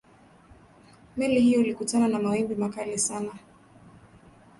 meli hiyo ilikutana na mawimbi makali sana